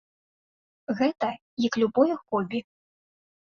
Гэта як любое хобі.